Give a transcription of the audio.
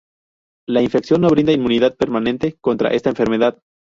La infección no brinda inmunidad permanente contra esta enfermedad.